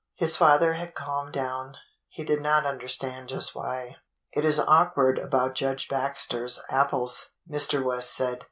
His father had calmed down. He did not under stand just why. "It is awkward about Judge Baxter's apples," Mr. West said.